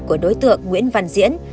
của đối tượng nguyễn văn diễn